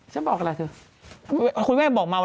จะลองนะสิที่คุณแม่บอกมา